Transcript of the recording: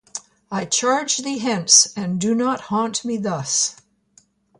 I charge thee, hence, and do not haunt me thus.